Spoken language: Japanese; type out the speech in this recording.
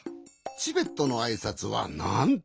チベットのあいさつはなんと。